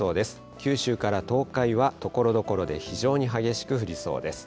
九州から東海はところどころで非常に激しく降りそうです。